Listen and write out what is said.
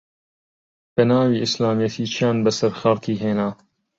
بەناوی ئیسلامەتی چیان بەسەر خەڵکی هێنا